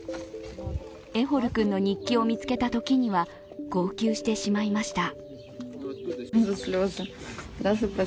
エホル君の日記を見つけたときには号泣してしまいました。